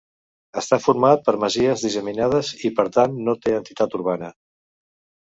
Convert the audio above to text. Està format per masies disseminades i, per tant, no té entitat urbana.